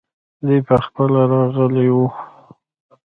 دی پخپله راغلی وو.